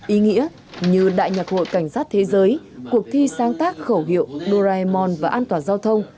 ý nghĩa như đại nhạc hội cảnh sát thế giới cuộc thi sáng tác khẩu hiệu duraimond và an toàn giao thông